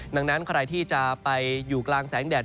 ดังนั้นใครที่จะไปอยู่กลางแสงแดด